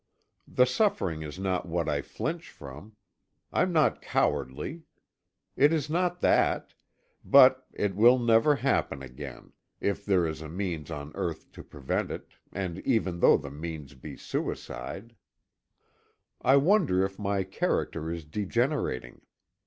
The suffering is not what I flinch from. I'm not cowardly. It is not that. But it will never happen again, if there is a means on earth to prevent it, even though the means be suicide. I wonder if my character is degenerating?